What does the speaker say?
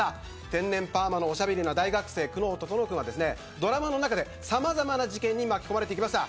天然パーマのおしゃべりな大学生久能整はドラマの中でさまざまな事件に巻き込まれていきました。